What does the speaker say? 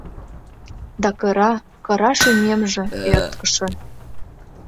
Да кыра, кыра шӱмемже, ӧрткышӧ.